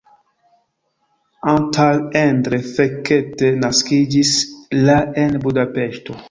Antal Endre Fekete naskiĝis la en Budapeŝto.